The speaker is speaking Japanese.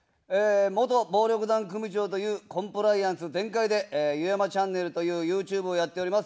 元暴力団組長というコンプライアンス全開で、ゆやまチャンネルというＹｏｕＴｕｂｅをやっております。